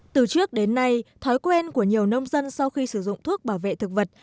từ trước đến nay thói quen của nhiều nông dân sau khi sử dụng thuốc bảo vệ thực vật